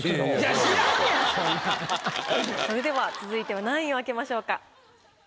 それでは続いては何位を開けましょうか？